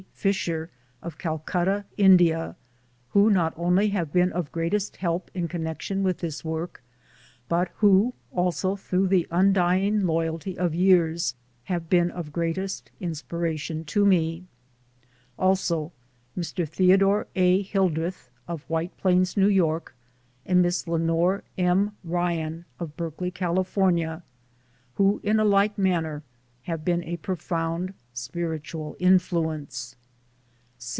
Fisher, of Calcutta, India, who not only have been of greatest help in connection with this work, but who also through the undying loyalty of years have been of greatest inspiration to me ; also Mr. Theodore A. Hildreth of White Plains, New York and Miss Lenore M. Ryan of Berkeley, California, who in a like man ner have been a profound spiritual influence.